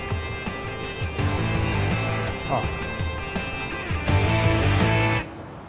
ああ。